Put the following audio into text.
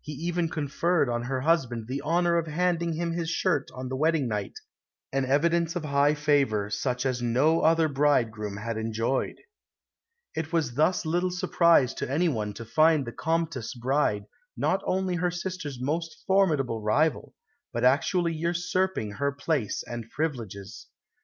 He even conferred on her husband the honour of handing him his shirt on the wedding night, an evidence of high favour such as no other bridegroom had enjoyed. It was thus little surprise to anyone to find the Comtesse bride not only her sister's most formidable rival, but actually usurping her place and privileges.